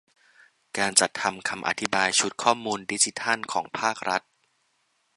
การจัดทำคำอธิบายชุดข้อมูลดิจิทัลของภาครัฐ